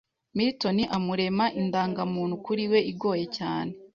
Milton amurema indangamuntu kuri we igoye cyane